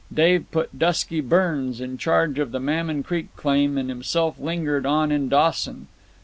Dave put Dusky Burns in charge of the Mammon Creek claim, and himself lingered on in Dawson.